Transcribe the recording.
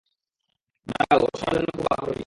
দাঁড়াও, ওরা শোনার জন্য খুব আগ্রহী।